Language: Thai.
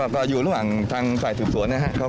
ก็อยู่ระหว่างทางฝ่ายสืบสวนนะครับ